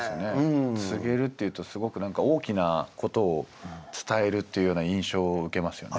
「告げる」っていうとすごく何か大きなことを伝えるというような印象を受けますよね。